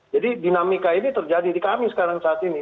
jadi dinamika ini terjadi di kami sekarang saat ini